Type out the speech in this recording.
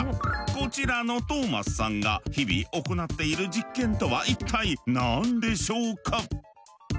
こちらのトーマスさんが日々行っている実験とは一体何でしょうか？